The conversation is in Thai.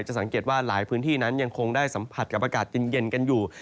สังเกตว่าหลายพื้นที่นั้นยังคงได้สัมผัสกับอากาศเย็นกันอยู่